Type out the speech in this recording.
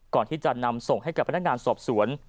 ก่อนที่จะนำส่งให้กับพนักงานสอบสวน